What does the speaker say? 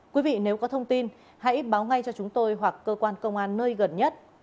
quý vị nếu có thông tin hãy báo ngay cho chúng tôi hoặc cơ quan công an nơi gần nhất